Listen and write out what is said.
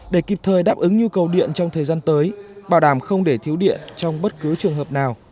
để kịp thời đáp ứng nhu cầu điện trong thời gian tới bảo đảm không để thiếu điện trong bất cứ trường hợp nào